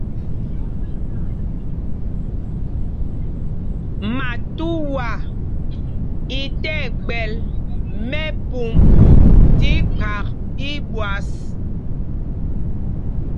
Matauá í tí ɛgbɛl mɛ́pûmb tí kphak íɓwas.